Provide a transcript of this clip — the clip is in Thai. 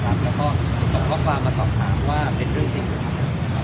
แล้วก็ส่งข้อความมาสอบถามว่าเป็นเรื่องจริงนะครับ